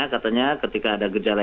katanya ketika ada gejala